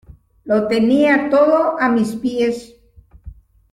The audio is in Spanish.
Lo tenía todo a mis pies